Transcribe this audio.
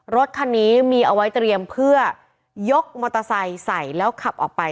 รถคันนี้มีเอาไว้เตรียมเพื่อยกมอเตอร์ไซค์ใส่แล้วขับออกไป